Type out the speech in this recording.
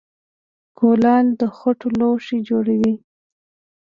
کولال د خټو لوښي جوړوي